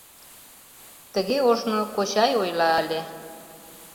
Тыге ожно кочай ойла ыле...